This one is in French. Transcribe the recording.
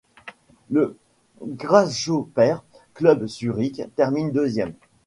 Le Grasshopper-Club Zurich termine deuxième.